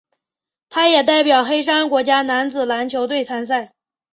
他也代表黑山国家男子篮球队参赛。